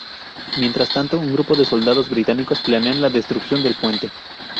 Mientras tanto, un grupo de soldados británicos planean la destrucción del puente.